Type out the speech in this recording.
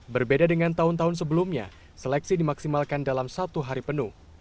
berbeda dengan tahun tahun sebelumnya seleksi dimaksimalkan dalam satu hari penuh